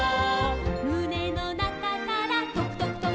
「むねのなかからとくとくとく」